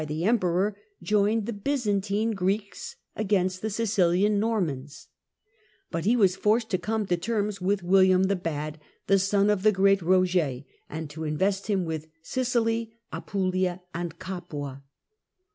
156 THE CENTRAL PERIOD OF THE MIDDLE AGE Emperor, joined the Byzantine Greeks against the Sicilian Normans, but he was forced to come to terms with William the Bad, the son of the great Koger, and to invest him with Sicily, Apulia and Capua.